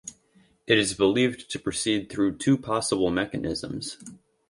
It is believed to proceed through two possible mechanisms.